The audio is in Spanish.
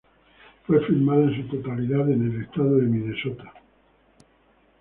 Fue filmada en su totalidad en el estado de Minnesota.